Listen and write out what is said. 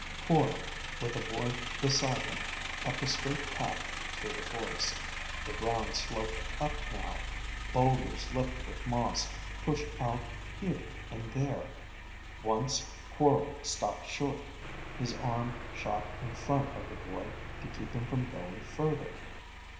Quorl, with the boy beside him, kept a straight path through the forest. The ground sloped up now. Boulders lipped with moss pushed out here and there. Once Quorl stopped short; his arm shot in front of the boy to keep him from going further.